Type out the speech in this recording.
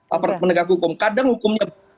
hal perspektif menegak hukum kadang hukumnya